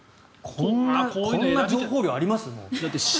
こんな情報量あります？